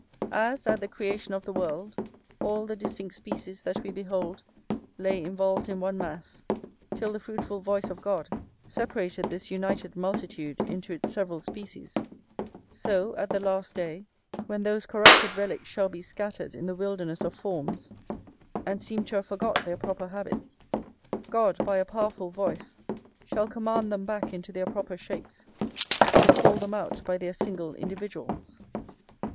As, at the creation of the world, all the distinct species that we behold lay involved in one mass, till the fruitful voice of God separated this united multitude into its several species, so, at the last day, when those corrupted relicks shall be scattered in the wilderness of forms, and seem to have forgot their proper habits, God, by a powerful voice, shall command them back into their proper shapes, and call them out by their single individuals.